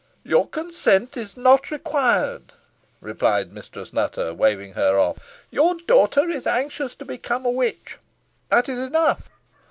"Your consent is not required," replied Mistress Nutter, waving her off. "Your daughter is anxious to become a witch. That is enough."